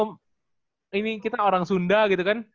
apa coach givi ini kita orang sunda gitu kan